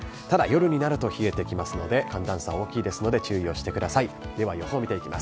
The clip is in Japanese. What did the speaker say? ただ夜になると、冷えてきますので、寒暖差大きいですので、注意をしてください。